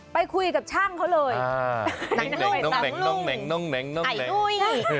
ไปคุยกับช่างเขาเลย